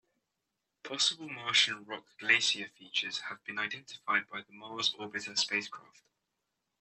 Possible Martian rock glacier features have been identified by the Mars Orbiter spacecraft.